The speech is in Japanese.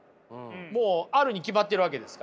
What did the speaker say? もうあるに決まってるわけですから。